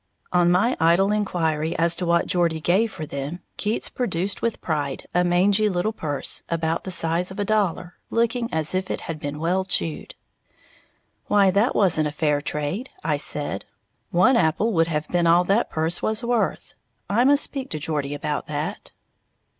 On my idle inquiry as to what Geordie gave for them, Keats produced with pride a mangy little purse, about the size of a dollar, looking as if it had been well chewed. "Why, that wasn't a fair trade," I said, "one apple would have been all that purse was worth. I must speak to Geordie about that."